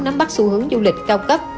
nắm bắt xu hướng du lịch cao cấp